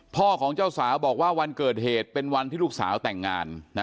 พ่อของเจ้าสาวบอกว่าวันเกิดเหตุเป็นวันที่ลูกสาวแต่งงานนะ